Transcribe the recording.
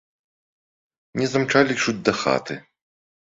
Не замчалі чуць да хаты.